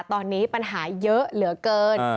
ตอนนี้ปัญหาเยอะเหลือเกิน